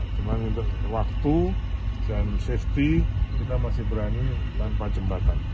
cuma untuk waktu dan safety kita masih berani tanpa jembatan